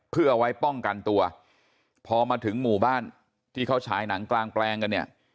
เพื่อเอาไว้ป้องกันตัวพอมาถึงหมู่บ้านที่เขาฉายหนังกลางแปลงกันเนี่ย